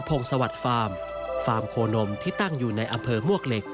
พงศวรรคฟาร์มฟาร์มโคนมที่ตั้งอยู่ในอำเภอมวกเหล็ก